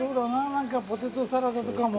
何かポテトサラダとかも。